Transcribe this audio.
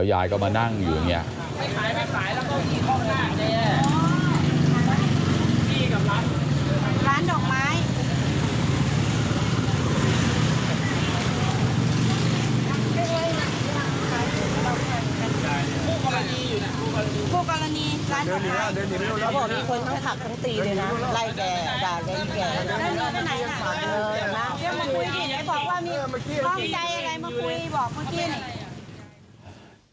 เวรียวว่าพูดกรณีรายสมัย